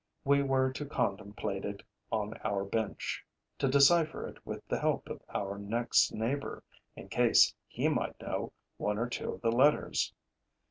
We were to contemplate it on our bench, to decipher it with the help of our next neighbor, in case he might know one or two of the letters.